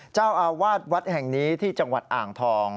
เจ้าอาวาสวัดแห่งนี้ที่จังหวัดอ่างทอง